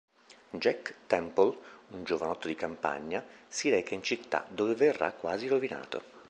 Jack Temple, un giovanotto di campagna, si reca in città dove verrà quasi rovinato.